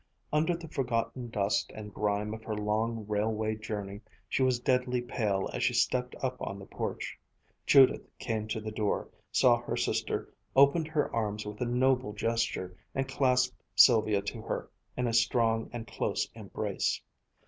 Under the forgotten dust and grime of her long railway journey, she was deadly pale as she stepped up on the porch. Judith came to the door, saw her sister, opened her arms with a noble gesture, and clasped Sylvia to her in a strong and close embrace.